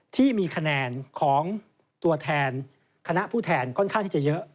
ที่มีคะแนนของตัวแทนคณะผู้แทนค่อนข้างที่จะเยอะ